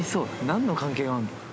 何の関係があんの？